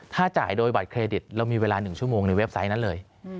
ถ้าจ่ายโดยบัตรเครดิตเรามีเวลา๑ชั่วโมงในเว็บไซต์นั้นเลย